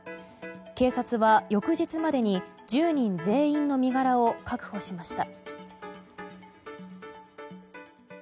警察は翌日までに１０人全員の身柄を確保しました。